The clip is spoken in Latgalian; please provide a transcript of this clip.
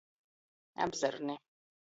Apzarni.